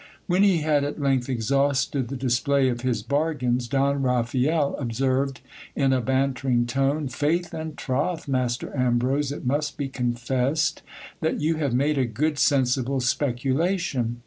When he had at length exhausted the display of his bargains, Don Raphael observed in a bantering tone — Faith and troth, Master Ambrose, it must be confessed that you have made a good sensible speculation.